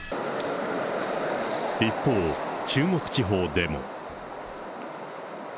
一方、中国地方でも。